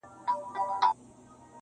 له جهان سره به سیال سيقاسم یاره,